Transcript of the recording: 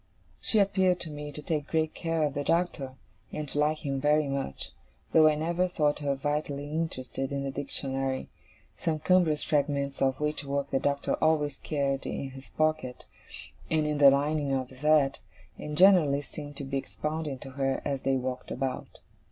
She appeared to me to take great care of the Doctor, and to like him very much, though I never thought her vitally interested in the Dictionary: some cumbrous fragments of which work the Doctor always carried in his pockets, and in the lining of his hat, and generally seemed to be expounding to her as they walked about.